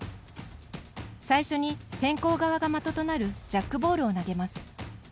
最初に、先攻側が的となるジャックボールを投げます。